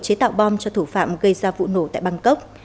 chế tạo bom cho thủ phạm gây ra vụ nổ tại bangkok